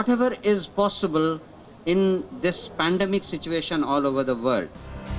dalam situasi pandemi di seluruh dunia